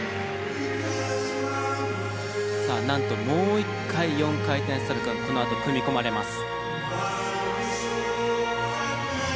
さあなんともう１回４回転サルコーがこのあと組み込まれます。